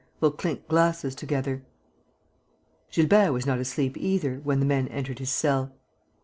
. we'll clink glasses together." Gilbert was not asleep either, when the men entered his cell.